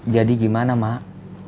jadi gimana mak